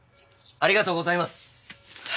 ありがとうございます！